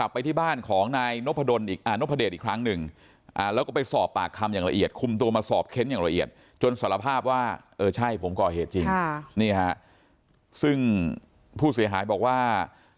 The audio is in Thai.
ภาพว่าเออใช่ผมก็เอาเหตุจริงนี่ค่ะซึ่งผู้เสียหายบอกว่า